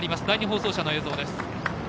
第２放送車の映像です。